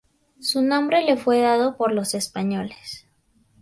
Su nombre le fue dado por los españoles.